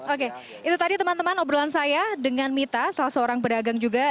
oke itu tadi teman teman obrolan saya dengan mita salah seorang pedagang juga